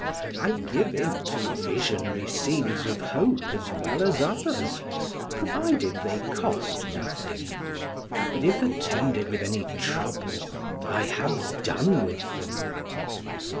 I give in to visionary scenes of hope as well as others, provided they cost nothing, but if attended with any trouble, I have done with them.